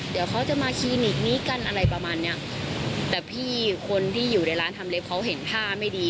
เดี๋ยวเขาจะมาคลินิกนี้กันอะไรประมาณเนี้ยแต่พี่คนที่อยู่ในร้านทำเล็บเขาเห็นท่าไม่ดี